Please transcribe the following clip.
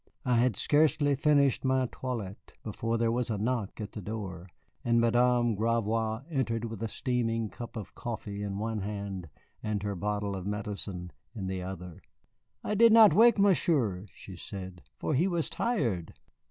I had scarcely finished my toilet before there was a knock at the door, and Madame Gravois entered with a steaming cup of coffee in one hand and her bottle of medicine in the other. "I did not wake Monsieur," she said, "for he was tired."